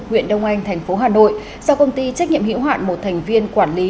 huyện đông anh thành phố hà nội do công ty trách nhiệm hữu hạn một thành viên quản lý